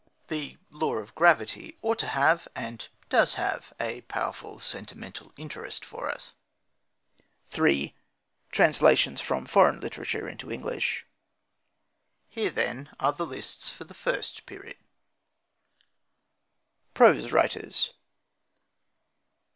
The law of gravity ought to have, and does have, a powerful sentimental interest for us. iii. Translations from foreign literature into English. Here, then, are the lists for the first period: PROSE WRITERS £ s.